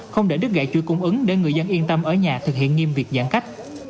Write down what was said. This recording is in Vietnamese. không để đứt gãy chuỗi cung ứng để người dân yên tâm ở nhà thực hiện nghiêm việc giãn cách